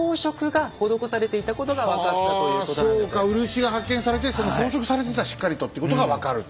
漆が発見されてその装飾されてたしっかりとということが分かると。